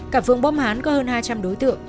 cả phương bom hán có hơn hai trăm linh đối tượng